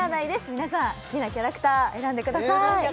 皆さん好きなキャラクター選んでください